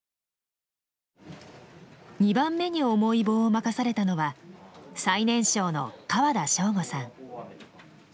２番目に重い棒を任されたのは最年少の河田将吾さん。